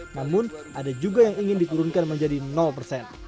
namun ada juga yang ingin diturunkan menjadi persen